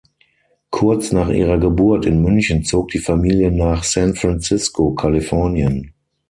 Kurz nach ihrer Geburt in München zog die Familie nach San Francisco, Kalifornien.